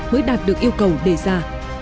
mới đạt được yêu cầu đề ra